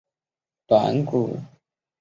曹德在门中被陶谦兵杀害。